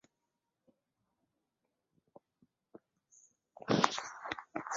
高架地下未确定过。